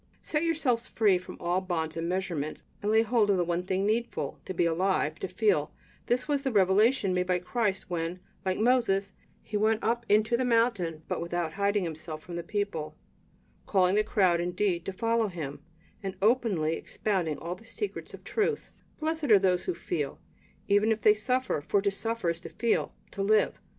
Set yourselves free from all bonds and all measurements and lay hold of the one thing needful: to be alive, to feel; this was the revelation made by Christ when, like Moses, He went up into the mountain, but without hiding Himself from the people, calling the crowd indeed to follow Him, and openly expounding all the secrets of truth: Blessed are those who feel, even if they suffer, for to suffer is to feel, to live.